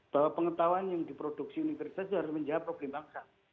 bahwa pengetahuan yang diproduksi universitas itu harus menjawab problem bangsa